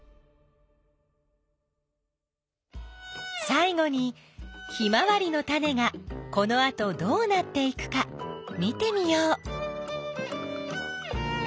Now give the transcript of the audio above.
さい後にヒマワリのタネがこのあとどうなっていくか見てみよう。